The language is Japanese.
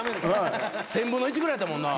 １，０００分の１ぐらいやったもんな。